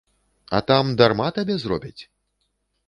А там дарма табе зробяць?